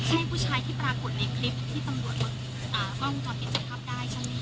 ใช่ผู้ชายที่ปรากฏในคลิปที่ตำรวจมันกล้องก่อนติดจัดครับได้ใช่ไหม